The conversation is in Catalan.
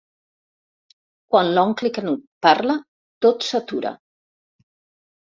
Quan l'oncle Canut parla tot s'atura.